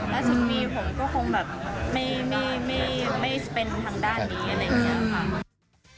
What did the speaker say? และทีนี้ผมก็คงไม่เช่นกับทางด้านดี